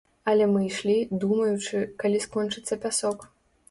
Але мы ішлі, думаючы, калі скончыцца пясок.